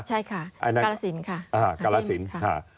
ใช่ค่ะกาลสินค่ะ